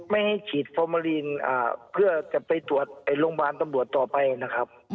ไม่ให้ฉีดฟอร์มาลีนเพื่อจะไปตรวจโรงพยาบาลตำรวจต่อไปนะครับ